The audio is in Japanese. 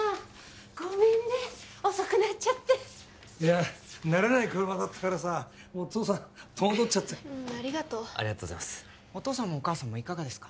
ごめんね遅くなっちゃっていや慣れない車だったからさもうお父さん戸惑っちゃってううんありがとうありがとうございますお父さんもお母さんもいかがですか？